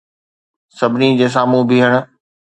سڀني جي سامهون بيهڻ